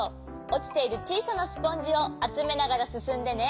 おちているちいさなスポンジをあつめながらすすんでね。